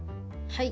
はい。